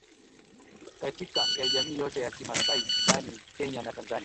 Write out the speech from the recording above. Katika ya jamii yote ya kimasai ndani Kenya na Tanzania